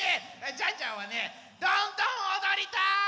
ジャンジャンはねどんどんおどりたい！